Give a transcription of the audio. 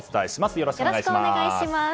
よろしくお願いします。